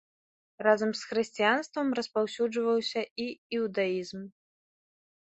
Разам з хрысціянствам распаўсюджваўся і іўдаізм.